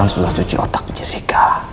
sulah cuci otak jessica